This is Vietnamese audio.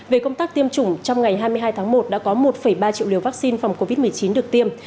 về công tác tiêm chủng trong ngày hai mươi hai tháng một đã có một ba triệu liều vaccine phòng covid một mươi chín được tiêm